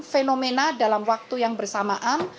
fenomena dalam waktu yang bersamaan